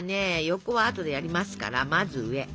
横はあとでやりますからまず上。